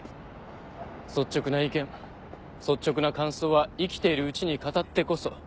率直な意見率直な感想は生きているうちに語ってこそ。